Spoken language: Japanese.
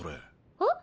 えっ？